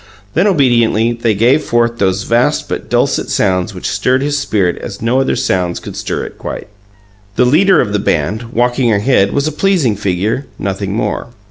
Then obediently they gave forth those vast but dulcet sounds which stirred his spirit as no other sounds could stir it quite. The leader of the band, walking ahead, was a pleasing figure, nothing more.